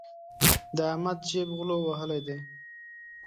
د احمد جېب غلو وهلی دی.